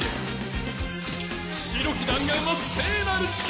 白き弾丸は聖なる力！